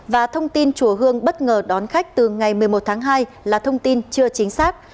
và thông tin chùa hương bất ngờ đón khách từ ngày một mươi một tháng hai là thông tin chưa chính xác